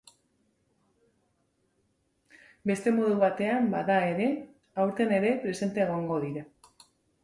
Beste modu batean bada ere, aurten ere presente egongo dira.